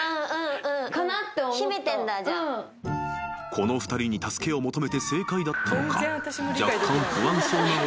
［この２人に助けを求めて正解だったのか］